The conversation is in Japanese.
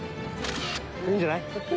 いいんじゃない？